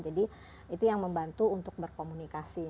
jadi itu yang membantu untuk berkomunikasi